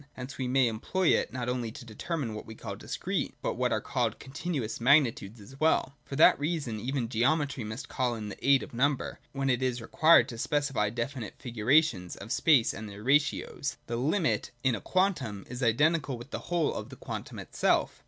Hence we may employ it not only to determine what we call discrete, but what are called continuous magni tudes as well. For that reason even geometry must call in the aid of number, when it is required to specify definite figurations of space and their ratios. (c) Degree. 103.] The limit (in a quantum) is identical with the whole of the quantum itself.